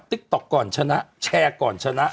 ติ๊กต๊อกก่อนชนะแชร์ก่อนชนะ